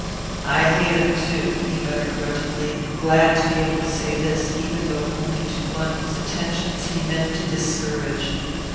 "I hate 'em, too," he muttered grudgingly, glad to be able to say this, even though only to one whose attentions he meant to discourage.